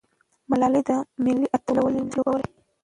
ملالۍ د ملي اتلولۍ نقش لوبولی.